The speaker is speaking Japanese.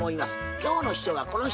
今日の秘書はこの人。